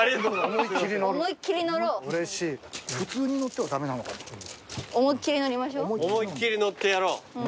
思いっ切り乗ってやろう。